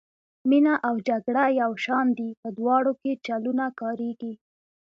مینه او جګړه یو شان دي په دواړو کې چلونه کاریږي.